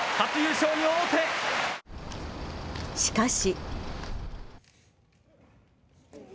しかし。